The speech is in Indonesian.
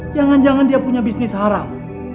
jangan jangan dia punya bisnis haram